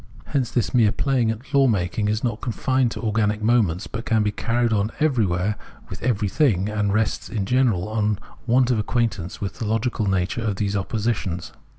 Hence this mere playing at law making is not confined to organic moments, but can be carried on everywhere with every thing and rests in general on want of acquaintance with the logical nature of these oppositions.